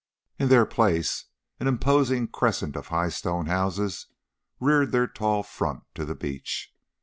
In their place an imposing crescent of high stone houses reared their tall front to the beach.